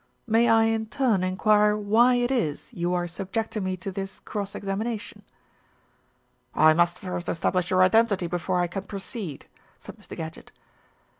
May I in turn enquire why it is you are subjecting me to this cross examination?" "I must first establish your identity before I can proceed," said Mr. Gadgett.